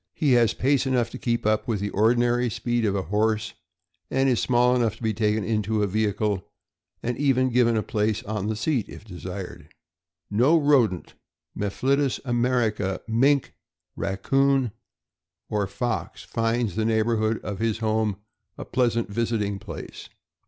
He has pace enough to keep up with the ordinary speed of a horse, and is small enough to be taken into a vehicle, and even given a place on the seat if desired. No rodent, Mephitis Americana, mink, raccoon, or fox finds the neighborhood of his home a pleasant visiting place.